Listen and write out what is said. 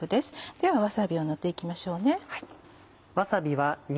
ではわさびを塗っていきましょうね。